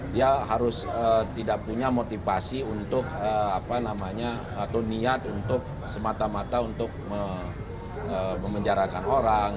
dia harus tidak punya motivasi untuk niat untuk semata mata untuk memenjarakan orang